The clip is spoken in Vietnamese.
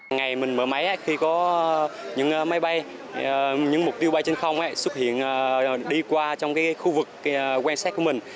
ngày mình mở máy khi có những máy bay những mục tiêu bay trên không xuất hiện đi qua trong khu vực quen sách của mình